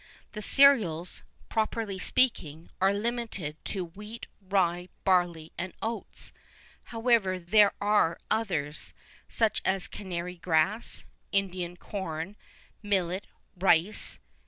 The cereals, properly speaking, are limited to wheat, rye, barley, and oats; however, there are others, such as canary grass, Indian corn, millet, rice, &c.